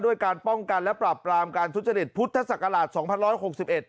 ด้วยการป้องกันและปรับกรามการทุจนิษฐ์พุทธศักราช๒๑๖๑